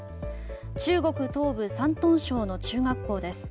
中国東部山東省の中学校です。